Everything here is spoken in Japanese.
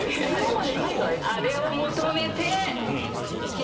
「あれを求めて」